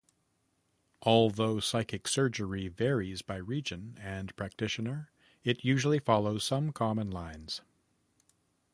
Although psychic surgery varies by region and practitioner, it usually follows some common lines.